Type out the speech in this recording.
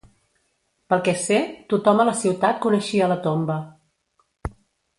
Pel que sé, tothom a la ciutat coneixia la tomba.